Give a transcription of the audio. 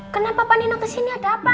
kenapa pak nino kesini atau apa